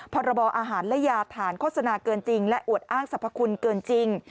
พรบอาหารและยาฐานโฆษณาเกินจริงและอวดอ้างสรรพคุณเกินจริง